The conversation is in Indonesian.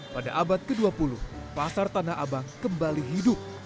pada abad ke dua puluh pasar tanah abang kembali hidup